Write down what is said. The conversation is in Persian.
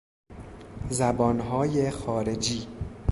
زبانهای خارجی